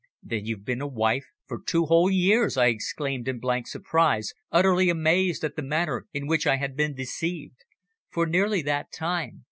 "Then you've been a wife for two whole years!" I exclaimed in blank surprise, utterly amazed at the manner in which I had been deceived. "For nearly that time.